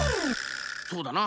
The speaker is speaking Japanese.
そうだな！